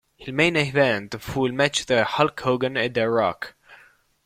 Il "main event" fu il match tra Hulk Hogan e The Rock.